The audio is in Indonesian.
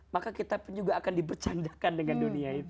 maka kita juga akan dipercandakan dengan dunia itu